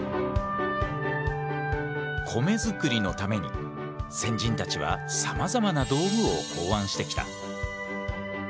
米づくりのために先人たちはさまざまな道具を考案してきた。